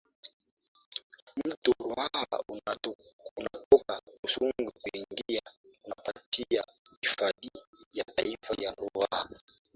mto ruaha unatoka usangu kuingia unapitia hifadhi ya taifa ya ruaha